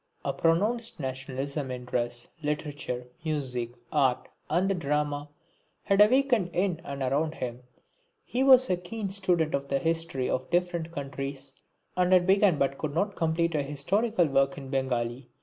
A pronounced nationalism in dress, literature, music, art and the drama had awakened in and around him. He was a keen student of the history of different countries and had begun but could not complete a historical work in Bengali.